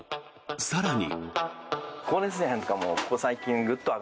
更に。